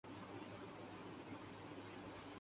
تو ہے اور اک تغافل پیہم